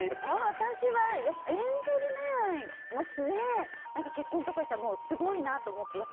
私は遠距離恋愛の末結婚とかしたらすごいなと思って。